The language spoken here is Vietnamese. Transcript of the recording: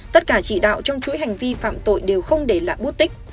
tất cả chỉ đạo trong chuỗi hành vi phạm tội đều không để lại bút tích